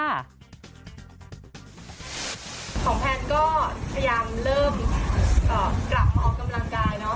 ของแพนก็พยายามเริ่มกลับมาออกกำลังกายเนอะ